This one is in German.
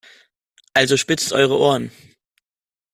Also spitzt eure Ohren!